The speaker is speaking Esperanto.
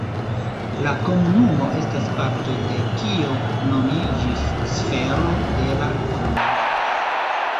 La komunumo estas parto de kio nomiĝis sfero de la homo.